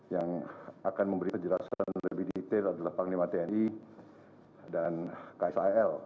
yang akan memberi penjelasan lebih detail adalah panglima tni dan ksal